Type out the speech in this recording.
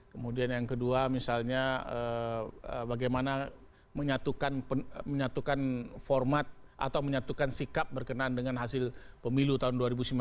kemudian yang kedua misalnya bagaimana menyatukan format atau menyatukan sikap berkenaan dengan hasil pemilu tahun dua ribu sembilan belas